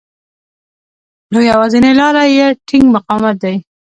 نو يوازېنۍ لاره يې ټينګ مقاومت دی.